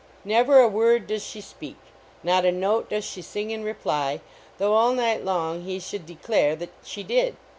Never a word does she speak, not a note does she sing in reply, though all night 164 THE KATYDID IN OPERA long he should declare that " she did."